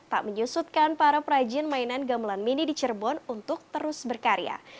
tak menyusutkan para perajin mainan gamelan mini di cirebon untuk terus berkarya